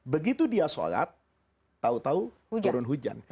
begitu dia sholat tau tau turun hujan